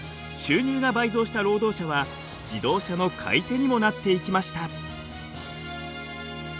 収入が倍増した労働者は自動車の買い手にもなっていきました。